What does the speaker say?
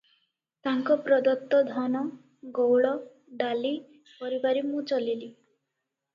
ତାଙ୍କପ୍ରଦତ୍ତ ଧନ, ଗଉଳ, ଡାଲି, ପରିବାରେ ମୁଁ ଚଳିଲି ।